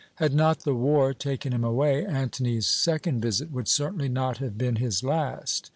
Had not the war taken him away, Antony's second visit would certainly not have been his last.